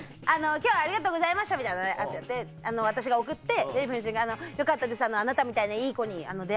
今日はありがとうございましたみたいな私が送ってデヴィ夫人が「よかったですあなたみたいないい子に出会えて。